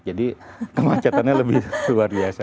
jadi kemacetannya lebih luar biasa